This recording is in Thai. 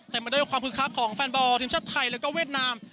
แต่มาด้วยความคึกคักของแฟนบอลทีมชาติไทยแล้วก็เวียดนาม